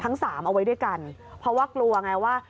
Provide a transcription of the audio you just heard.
ทั้งสามเอาไว้ด้วยกันเพราะว่ากลัวไงว่า